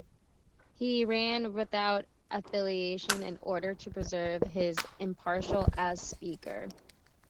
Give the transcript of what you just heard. He ran without affiliation in order to preserve his impartiality as Speaker.